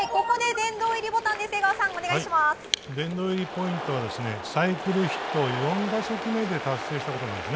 殿堂入りポイントはサイクルヒットを４打席目で達成したことなんです。